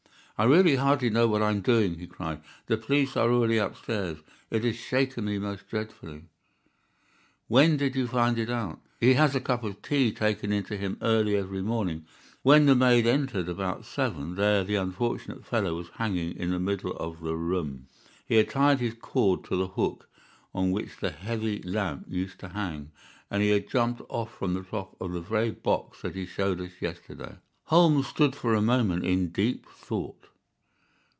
"I really hardly know what I am doing," he cried. "The police are already upstairs. It has shaken me most dreadfully." "When did you find it out?" "He has a cup of tea taken in to him early every morning. When the maid entered, about seven, there the unfortunate fellow was hanging in the middle of the room. He had tied his cord to the hook on which the heavy lamp used to hang, and he had jumped off from the top of the very box that he showed us yesterday." Holmes stood for a moment in deep thought.